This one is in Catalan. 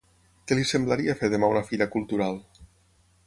Què li semblaria fer demà una fira cultural?